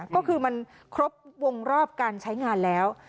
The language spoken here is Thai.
ก็คือมันครบวงรอบการใช้งานแล้ว